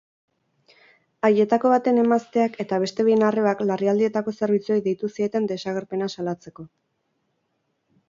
Haietako baten emazteak eta beste bien arrebak larrialdietako zerbitzuei deitu zieten desagerpena salatzeko.